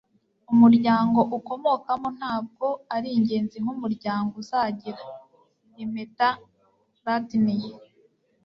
umuryango ukomokamo ntabwo ari ingenzi nk'umuryango uzagira. - impeta lardner